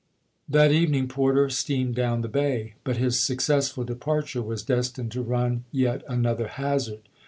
That evening Porter steamed down the bay ; but his successful departure was destined to run yet another hazard.